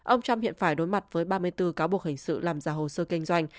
ông trump hiện phải đối mặt với ba mươi bốn cáo buộc hình sự làm giả hồ sơ kinh doanh